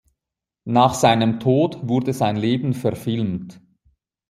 Nach seinem Tod wurde sein Leben verfilmt.